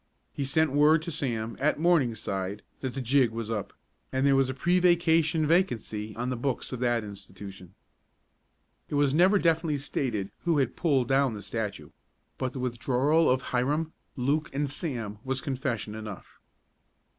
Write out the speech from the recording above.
He sent word to Sam, at Morningside, that "the jig" was up, and there was a pre vacation vacancy on the books of that institution. It was never definitely stated who had pulled down the statue, but the withdrawal of Hiram, Luke and Sam was confession enough.